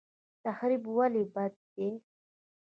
تخریب ولې بد دی؟